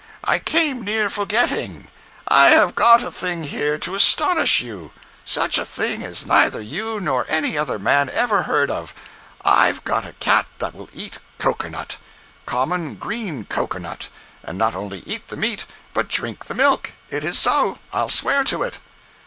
I came near forgetting. I have got a thing here to astonish you. Such a thing as neither you nor any other man ever heard of—I've got a cat that will eat cocoanut! Common green cocoanut—and not only eat the meat, but drink the milk. It is so—I'll swear to it."